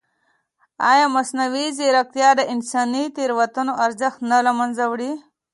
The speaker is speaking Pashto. ایا مصنوعي ځیرکتیا د انساني تېروتنو ارزښت نه له منځه وړي؟